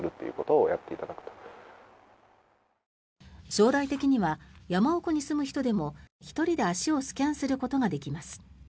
将来的には山奥に住む人でも１人で足をスキャンすることができます。